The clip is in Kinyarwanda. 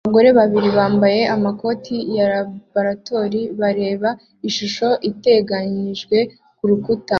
abagore babiri bambaye amakoti ya laboratoire bareba ishusho iteganijwe kurukuta